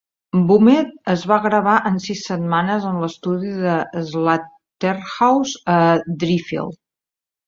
"Bummed" es va gravar en sis setmanes en l'estudi de Slaughterhouse a Driffield.